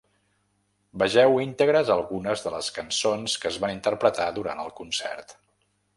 Vegeu íntegres algunes de les cançons que es van interpretar durant el concert.